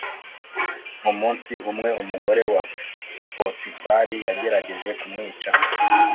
umunsi umwe umugore wa potifari yagerageje ku mwica